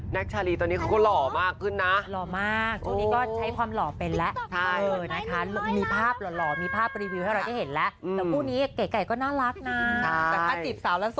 ชาลีตอนนี้เขาก็หล่อมากขึ้นนะ